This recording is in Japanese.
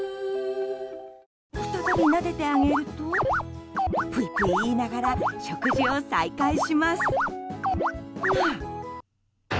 再び、なでてあげるとぷいぷい言いながら食事を再開しますが。